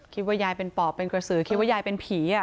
ยายเป็นปอบเป็นกระสือคิดว่ายายเป็นผี